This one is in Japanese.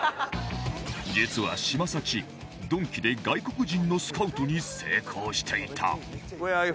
実は嶋佐チームドンキで外国人のスカウトに成功していた